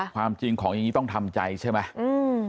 ความจริงของอย่างนี้ต้องทำใจใช่ไหม